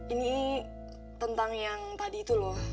ini tentang yang tadi itu loh